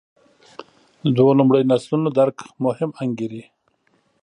دوو لومړیو نسلونو درک مهم انګېري.